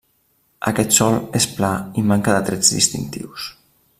Aquest sòl és pla i manca de trets distintius.